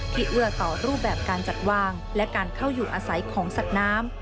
เอื้อต่อรูปแบบการจัดวางและการเข้าอยู่อาศัยของสัตว์น้ำ